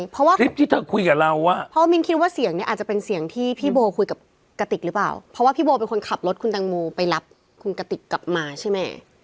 เพราะว่าพี่โบเป็นคนขับรถคุณตังโมไปรับคุณกะติกกลับมาใช่ไหม